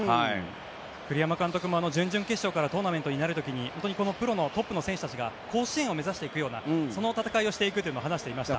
栗山監督も準々決勝からトーナメントになる時にプロの選手たちが甲子園を目指していくようなそんな戦いをしていくとも話していました。